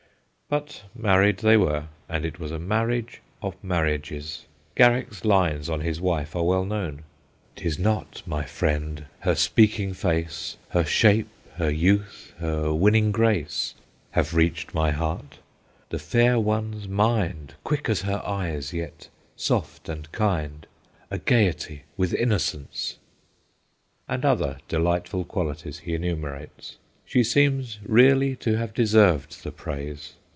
But married they were, and it was a marriage of marriages. Garrick's lines on his wife are well known :* 'Tis not, my friend, her speaking face, Her shape, her youth, her winning grace, Have reached my heart ; the fair one's mind, Quick as her eyes, yet soft and kind A gaiety with innocence,' and other delightful qualities he enumerates. She seems really to have deserved the praise.